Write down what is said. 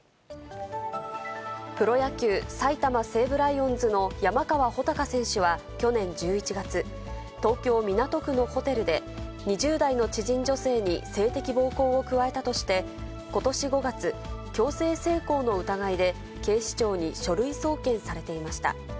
プロ野球・埼玉西武ライオンズの山川穂高選手は、去年１１月、東京・港区のホテルで２０代の知人女性に性的暴行を加えたとして、ことし５月、強制性交の疑いで警視庁に書類送検されていました。